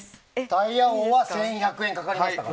タイヤ王は１１００円かかりました。